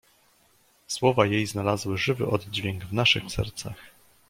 "Słowa jej znalazły żywy oddźwięk w naszych sercach."